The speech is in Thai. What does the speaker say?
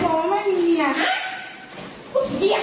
ไหนพ่อไม่มี